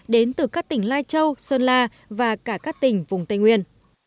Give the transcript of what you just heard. đến từ các tỉnh lai châu sơn la và cả các tỉnh vùng tây nguyên